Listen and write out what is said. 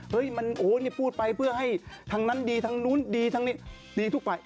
เฮ้ยมันโอ้ยอย่าพูดไปเพื่อให้ทั้งนั้นดีทั้งนู้นดีทั้งนี้ดีทุกไป